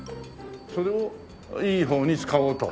それをいい方に使おうと。